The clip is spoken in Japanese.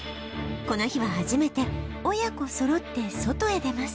この日は初めて親子そろって外へ出ます